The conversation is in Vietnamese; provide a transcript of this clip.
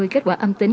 kết quả âm tính